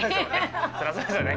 そりゃそうですよね